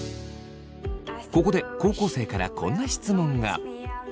ここで高校生からこんな質問が。